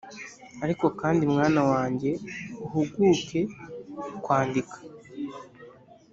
ariko kandi mwana wanjye uhuguke kwandika